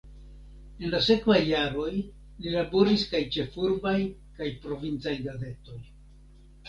En la sekvaj jaroj li laboris kaj ĉefurbaj kaj provincaj gazetoj.